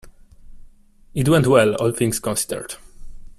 It went well, all things considered.